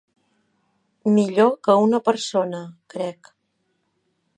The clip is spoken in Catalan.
Millor que una persona, crec.